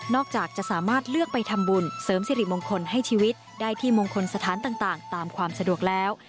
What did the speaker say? อกจากจะสามารถเลือกไปทำบุญเสริมสิริมงคลให้ชีวิตได้ที่มงคลสถานต่างตามความสะดวกแล้ว